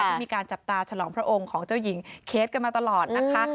ที่มีการจับตาฉลองพระองค์ของเจ้าหญิงเคสกันมาตลอดนะคะ